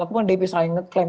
atau dpr selalu ngeklaim